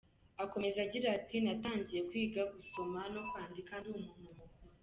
Akomeza agira ati “Natangiye kwiga gusoma no kwandika ndi umuntu mukuru.